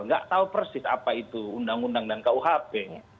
nggak tahu persis apa itu undang undang dan kuhp